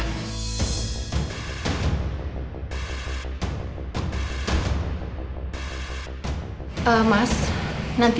saya mau ke rumah